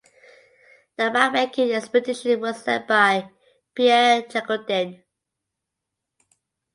The mapmaking expedition was led by Pierre Jacotin.